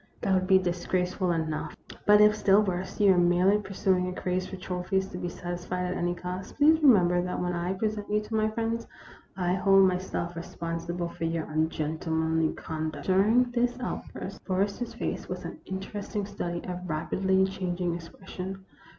That would be disgrace ful enough ; but if, still worse, you are merely pur suing a craze for trophies to be satisfied at any cost, please remember that when I present you to my friends, I hold myself responsible for your ungentle manly conduct." During this outburst Forrester's face was an interesting study of rapidly changing expression.